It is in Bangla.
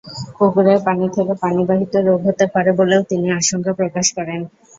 পুকুরের পানি থেকে পানিবাহিত রোগ হতে পারে বলেও তিনি আশঙ্কা প্রকাশ করেন।